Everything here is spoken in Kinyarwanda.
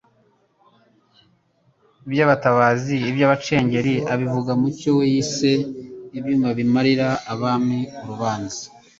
by'abatabazi by'Abacengeri, abivuga mu cyo we yise “Ibyuma bimarira abami urubanza.”